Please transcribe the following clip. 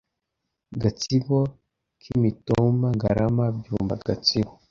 Gatsibo k’Imitoma Ngarama Byumba Gatsibo